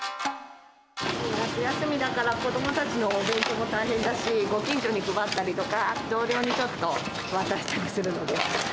夏休みだから、子どもたちのお弁当も大変だし、ご近所に配ったりとか、同僚にちょっと渡したりするので。